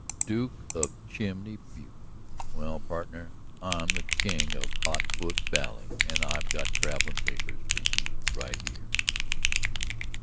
"Duke of Chimney Butte! Well, pardner, I'm the King of Hotfoot Valley, and I've got travelin' papers for you right here!"